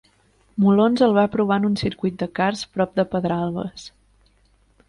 Molons el va provar en un circuit de karts prop de Pedralbes.